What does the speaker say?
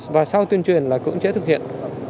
và sau tuyên truyền là cũng sẽ thực hiện